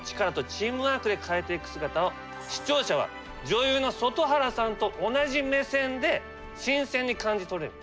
チームワークで変えていく姿を視聴者は女優の外原さんと同じ目線で新鮮に感じ取れる。